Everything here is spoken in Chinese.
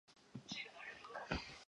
续杯一杯免费